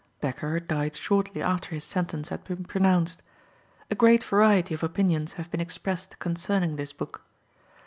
Bekker died shortly after his sentence had been pronounced. A great variety of opinions have been expressed concerning this book.